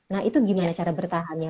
nah itu gimana cara bertahannya